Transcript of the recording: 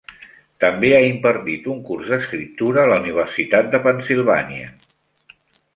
També ha impartit un curs d'escriptura a la Universitat de Pennsylvania.